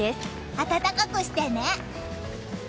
暖かくしてね！